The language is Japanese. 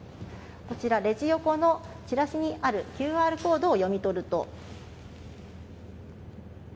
こちら、レジ横のチラシにあるＱＲコードを読み取ると。